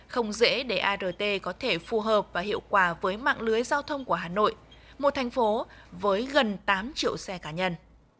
không dễ để art có thể phù hợp và hiệu quả với mạng lưới giao thông của hà nội một thành phố với gần tám triệu xe cá nhân